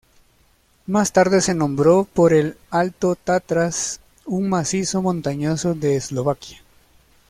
Más tarde se nombró por el Alto Tatras, un macizo montañoso de Eslovaquia.